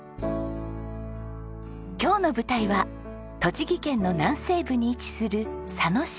今日の舞台は栃木県の南西部に位置する佐野市。